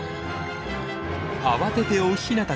慌てて追うヒナたち。